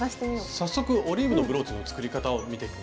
早速「オリーブのブローチ」の作り方を見てみましょう。